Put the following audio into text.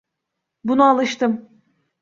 Buna alıştım.